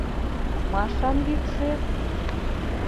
Машан йӱкшӧ?